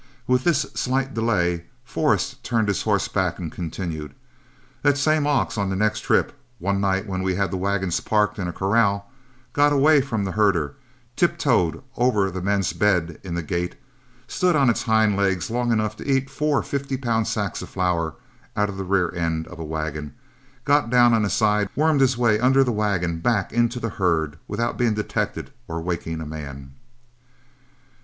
With this slight delay, Forrest turned his horse back and continued: "That same ox on the next trip, one night when we had the wagons parked into a corral, got away from the herder, tip toed over the men's beds in the gate, stood on his hind legs long enough to eat four fifty pound sacks of flour out of the rear end of a wagon, got down on his side, and wormed his way under the wagon back into the herd, without being detected or waking a man."